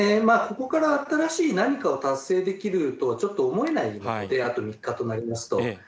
ここから新しい何かを達成できるとは、ちょっと思えないので、あと３日となりますと。